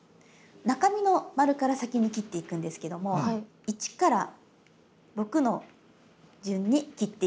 中身の丸から先に切っていくんですけども１から６の順に切っていきます。